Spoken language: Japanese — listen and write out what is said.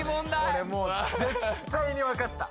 俺もう絶対に分かった